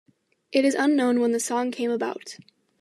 It is unknown when the song came about.